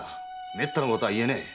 めったなことは言えねえ。